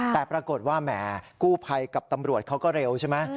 แต่ปรากฏว่าแหมกู้ภัยกับตำรวจเขาก็เร็วใช่ไหม